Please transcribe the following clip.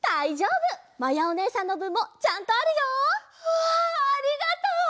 わあありがとう！